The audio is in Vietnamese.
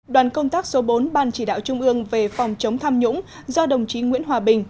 đoàn công tác số bốn ban chỉ đạo trung ương về phòng chống tham nhũng do đồng chí nguyễn hòa bình